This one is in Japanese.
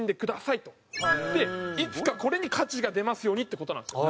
でいつかこれに価値が出ますようにって事なんですよ。